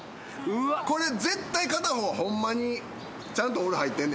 これ絶対片方ホンマにちゃんとオール入ってんねやろな？